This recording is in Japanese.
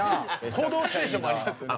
『報道ステーション』もありますよね。